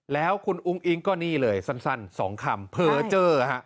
แล้วคุณอุ้งอิ๊งก็นี่เลยสั้น๒คำเผลอเจอฮะ